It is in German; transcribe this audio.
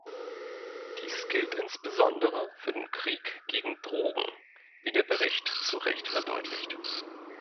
Dies gilt insbesondere für den Krieg gegen Drogen, wie der Bericht zu Recht verdeutlicht.